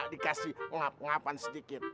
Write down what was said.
nggak dikasih pengap pengapan sedikit